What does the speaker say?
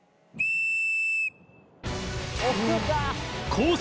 コース